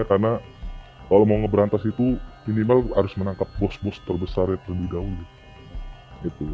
karena kalau mau ngeberantas itu minimal harus menangkap bos bos terbesarnya terlebih dahulu